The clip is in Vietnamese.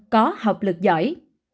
có học lực giỏi